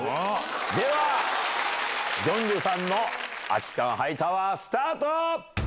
では、ジョンジェさんの空き缶ハイタワースタート。